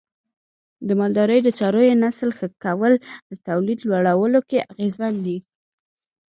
د مالدارۍ د څارویو نسل ښه کول د تولید لوړولو کې اغیزمن دی.